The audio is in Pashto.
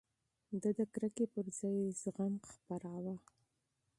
ده د کرکې پر ځای زغم خپراوه.